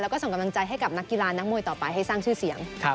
แล้วก็ส่งกำลังใจให้กับนักกีฬานักมวยต่อไปให้สร้างชื่อเสียง